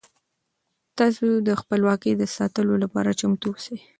تاسو د خپلواکۍ د ساتلو لپاره چمتو اوسئ.